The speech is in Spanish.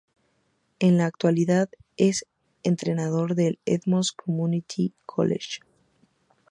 En la actualidad es el entrenador del Edmonds Community College.